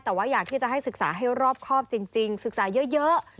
แต่ว่าอยากที่จะให้ศึกษาให้รอบครอบจริงศึกษาเยอะ